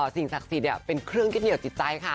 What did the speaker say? สิ่งศักดิ์ศรีพรรดิเป็นเครื่องกินเหนียวจิตใจค่ะ